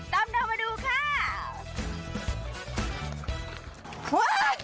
ดามดาหมาดูค่ะ